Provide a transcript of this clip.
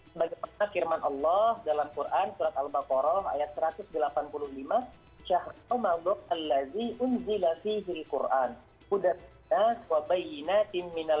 sebagaimana kirman allah dalam quran surat al baqarah ayat satu ratus delapan puluh lima